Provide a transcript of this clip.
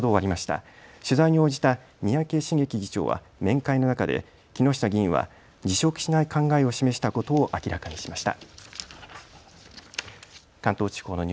取材に応じた三宅茂樹議長は面会の中で木下議員が辞職しない考えを示したことを明らかにしました。